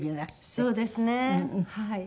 そうですねはい。